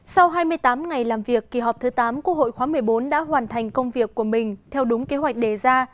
sau hai mươi tám ngày làm việc kỳ họp thứ tám quốc hội khóa một mươi bốn đã hoàn thành công việc của mình theo đúng kế hoạch đề ra